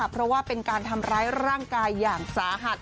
เพราะว่าเป็นการทำร้ายร่างกายอย่างสาหัส